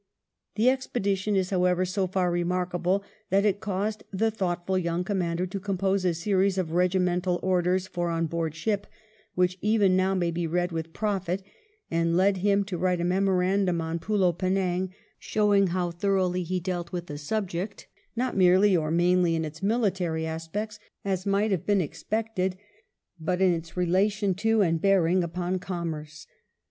The expedition is, how ever, so far remarkable that it caused the thoughtful young commander to compose a series of "regimental orders for on board ship," which even now may be read with profit; and led him to write a memorandum on "Pulo Penang," showing how thoroughly he dealt with II EARL V EMPLOYMENTS 19 the subject, not merely or mainly in its military aspects, as might have been expected, but in its relation to and bearing upon commerce.